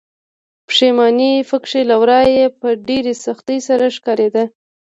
پښيماني پکې له ورايه په ډېرې سختۍ سره ښکاريده.